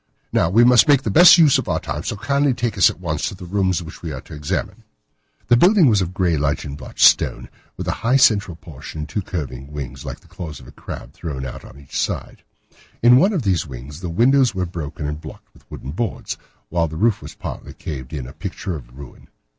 Now, we must make the best use of our time, so kindly take us at once to the rooms which we are to examine." The building was of grey, lichen blotched stone, with a high central portion and two curving wings, like the claws of a crab, thrown out on each side. In one of these wings the windows were broken and blocked with wooden boards, while the roof was partly caved in, a picture of ruin.